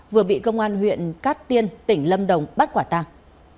vừa bị công an huyện cát tiên tỉnh lâm đồng bắt quả tàng